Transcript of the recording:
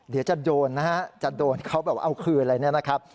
เดี๋ยวจะโดนนะฮะจะโดนเขาแบบว่าเอาคืนอะไรเนี่ยนะครับ